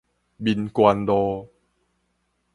民權路